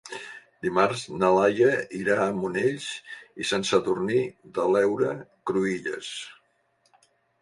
Dimarts na Laia irà a Monells i Sant Sadurní de l'Heura Cruïlles.